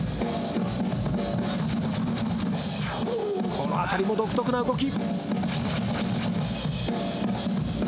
この辺りも独特な動き。